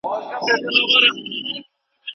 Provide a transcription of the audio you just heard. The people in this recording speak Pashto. د ولسي جرګي غونډې هره اونۍ جوړيږي.